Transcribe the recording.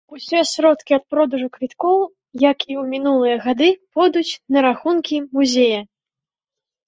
Усе сродкі ад продажу квіткоў, як і ў мінулыя гады, пойдуць на рахункі музея.